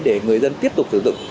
để người dân tiếp tục sử dụng